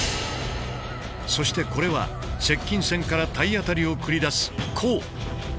そしてこれは接近戦から体当たりを繰り出す「靠」。